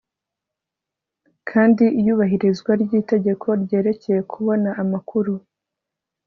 kandi iyubahirizwa ry'itegeko ryerekeye kubona amakuru